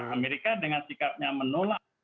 amerika dengan sikapnya menolak